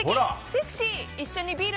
セクシー！